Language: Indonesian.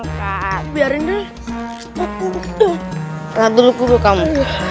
oh kerana dulu kamu